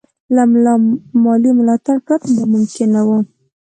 له مالي ملاتړه پرته دا ممکن نه وو.